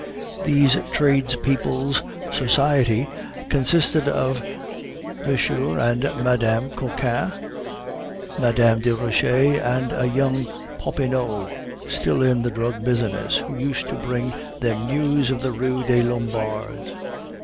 "These tradespeople's society consisted of M. and Mme. Cochin, Mme. Desroches, and a young Popinot, still in the drug business, who used to bring them news of the Rue des Lombards.